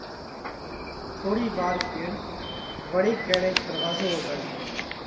ٿوڙِي وار ڪيڙ وۯي ڪڻئڪ ڌروازو وڳاڙيو۔